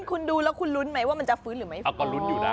คุณรู้สึกว่ามันจะฟื้นหรือไม่ฟื้นอ๋อฟลุ้นอยู่นะ